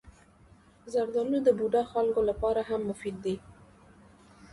زردالو د بوډا خلکو لپاره هم مفید دی.